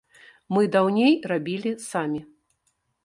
Мы даўней рабілі самі.